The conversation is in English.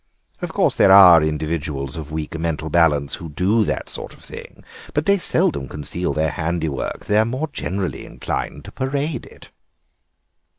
Of course there are individuals of weak mental balance who do that sort of thing, but they seldom conceal their handiwork; they are more generally inclined to parade it."